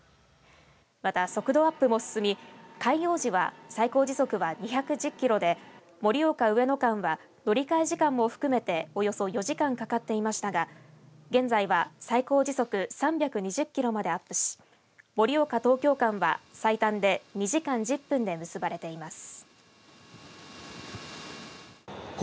また速度アップも進み開業時は最高時速は２１０キロで盛岡、上野間は乗り換え時間も含めておよそ４時間かかっていましたが現在は、最高時速３２０キロまでアップし盛岡、東京間は最短で２時間１０分で結ばれています。